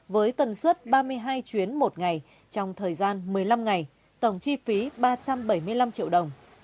với tần suất ba mươi hai chuyến một ngày trong thời gian một mươi năm ngày tổng chi phí ba trăm bảy mươi năm triệu đồng